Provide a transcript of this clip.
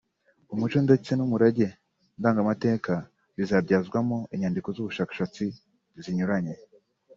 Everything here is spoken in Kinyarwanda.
umuco ndetse n’umurage ndangamateka bizabyazwamo inyandiko z’ubushakashatsi zinyuranye